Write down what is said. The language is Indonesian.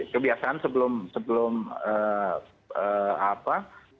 kebiasaan sebelum apa